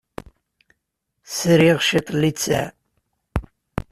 Sriɣ cwiṭ n littseɛ.